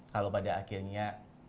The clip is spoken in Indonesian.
kalau pada akhirnya